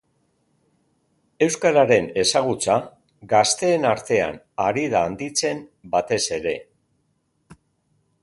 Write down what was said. Euskararen ezagutza gazteen artean ari da handitzen batez ere.